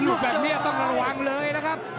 ลูกแบบนี้ต้องระวังเลยนะครับ